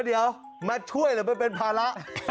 เดี๋ยวมาช่วยหรือมันเป็นภาระ